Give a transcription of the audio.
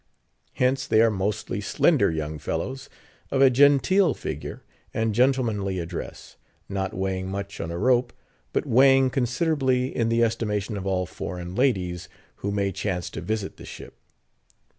Hence, they are mostly slender young fellows, of a genteel figure and gentlemanly address; not weighing much on a rope, but weighing considerably in the estimation of all foreign ladies who may chance to visit the ship.